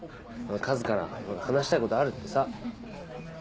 カズから話したいことあるってさ。